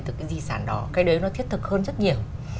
từ cái di sản đó cái đấy nó thiết thực hơn rất nhiều